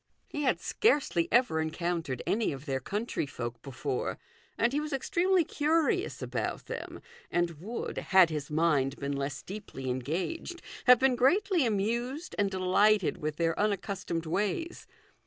He had scarcely ever encountered any of their country folk before, and he was ex tremely curious about them, and would, had his mind been less deeply engaged, have been greatly amused and delighted with their unaccustomed ways.